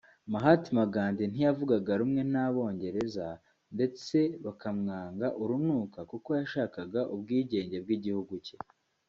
Mahatma Gandhi ntiyavugaga rumwe n’Abongereza ndetse bakamwanga urunuka kuko yashakaga ubwigenge bw’igihugu cye